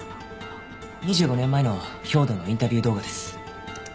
２５年前の兵働のインタビュー動画です。